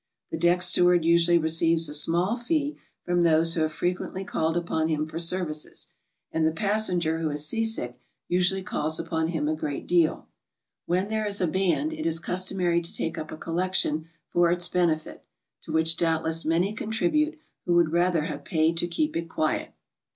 The deck steward usually receives a small fee from those who have frequently called upon him for services, and the passenger who is seasick usually calls upon him a good deal. When there is a band, it is customary to take up a collection for HOW TO GO. 45 its benefit, to which, doubtless, many contribute who would rather have paid to keep it quiet.